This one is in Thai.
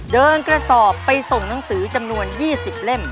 กระสอบไปส่งหนังสือจำนวน๒๐เล่ม